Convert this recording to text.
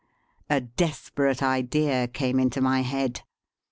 A desperate idea came into my head.